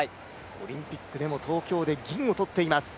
オリンピックでも東京で銀を取っています。